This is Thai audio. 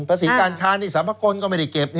ภาษีการค้านี่สามพกรก็ไม่ได้เก็บ